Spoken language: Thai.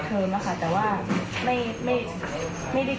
เขาทำประนาบนี้อย่างไรไม่ต้องคิด